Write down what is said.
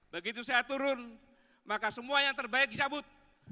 begitu saya turun maka semua yang terbaik dicabut